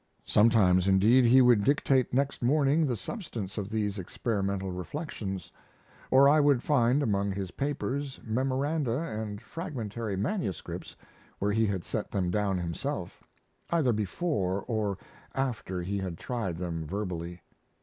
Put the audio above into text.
Sometimes, indeed, he would dictate next morning the substance of these experimental reflections; or I would find among his papers memoranda and fragmentary manuscripts where he had set them down himself, either before or after he had tried them verbally.